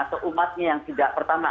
seumatnya yang pertama